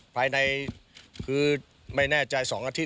ภายในคือไม่แน่ใจ๒อาทิตย